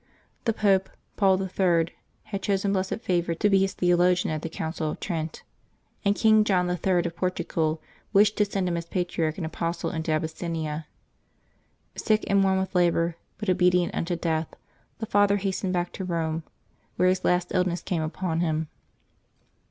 The Pope, Paul III., had chosen Blessed Favre to be his theologian at the Council of Trent, and King John III., of Portugal, wished to send him as patriarch and apostle into Abyssinia. Sick and worn with labor, but obedient unto death, the father has tened back to Eome, where his last illness came upon him.